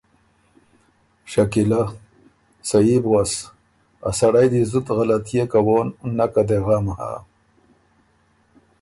شکیلۀ: سهي بو غؤس۔ ا سړئ دی زُت غلطئے کوون نکه دې غم هۀ